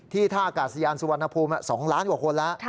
ท่ากาศยานสุวรรณภูมิ๒ล้านกว่าคนแล้ว